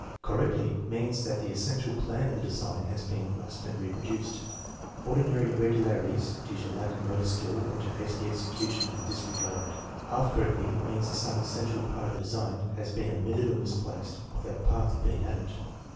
" Cor rectly " means that the essential plan of the design has been grasped and reproduced. Ordinary irregularities due to lack of motor skill or to hasty execution are disregarded. " Half correctly " means that some essential part of the design has been omitted or misplaced, or that parts have been added.